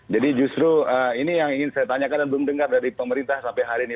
jadi justru ini yang ingin saya tanyakan dan belum dengar dari pemerintah sampai hari ini